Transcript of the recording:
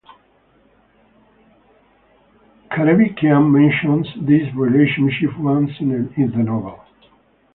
Karabekian mentions this relationship once in the novel.